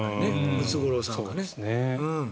ムツゴロウさんがね。